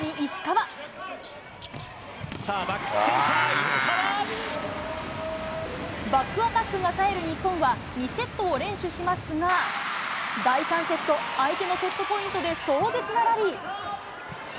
さあ、バックアタックがさえる日本は、２セットを連取しますが、第３セット、相手のセットポイントで壮絶なラリー。